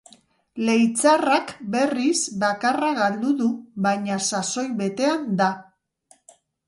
Leitzarrak, berriz, bakarra galdu du, baina sasoi betean da.